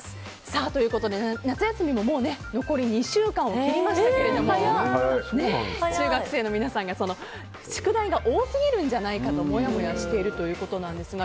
ということで、夏休みももう残り２週間を切りましたが中学生の皆さんが宿題が多すぎるんじゃないかともやもやしているということなんですが。